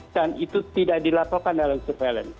dan itu tidak dilaporkan dalam surveillance